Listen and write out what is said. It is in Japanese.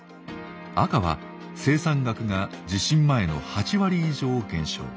赤は生産額が地震前の８割以上減少